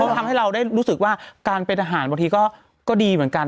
ทำให้เราได้รู้สึกว่าการเป็นทหารบางทีก็ดีเหมือนกัน